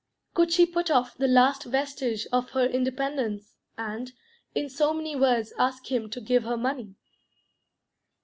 Could she put off the last vestige of her independence, and, in so many words, ask him to give her money?